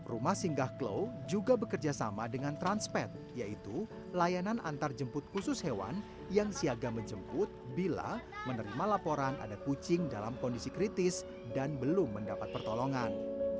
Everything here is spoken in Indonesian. rumah singgah klau juga bekerja sama dengan transpet yaitu layanan antarjemput khusus hewan yang siaga menjemput bila menerima laporan ada kucing dalam kondisi kritis dan belum mendapat pertolongan